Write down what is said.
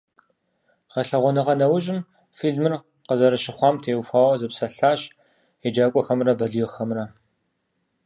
Гъэлъэгъуэныгъэ нэужьым фильмыр къазэрыщыхъуам теухуауэ зэпсэлъащ еджакӀуэхэмрэ балигъхэмрэ.